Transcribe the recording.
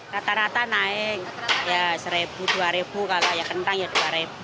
rata rata naik ya seribu dua ribu kalau ya kentang ya dua ribu